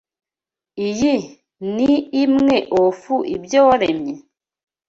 Iyi ni imwe of ibyo waremye?